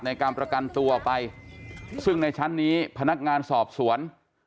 ในการประกันตัวไปซึ่งในชั้นนี้พนักงานสอบสวน